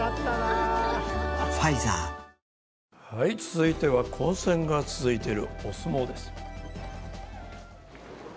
続いては混戦が続いているお相撲です。